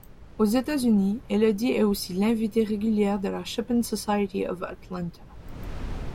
Aux États-Unis, Élodie est aussi l'invitée régulière de la Chopin Society of Atlanta.